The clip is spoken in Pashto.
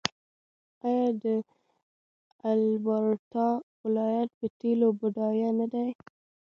آیا د البرټا ولایت په تیلو بډایه نه دی؟